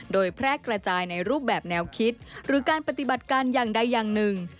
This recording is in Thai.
โดยแพร่กระจายในรูปแบบแนวคิดหรือการปฏิบัติการอย่างใดอย่างหนึ่ง